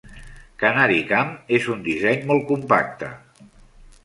CanariCam és un disseny molt compacte.